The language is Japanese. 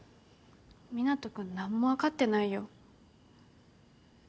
湊人君何も分かってないよ。